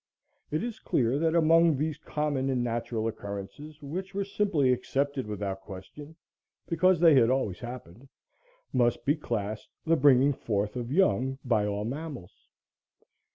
It is clear that among these common and natural occurrences, which were simply accepted without question because they had always happened, must be classed the bringing forth of young by all mammals.